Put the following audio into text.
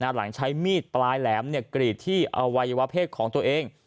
หลังใช้มีดปลายแหลมกรีดที่อวัยวะเพศของตัวเอง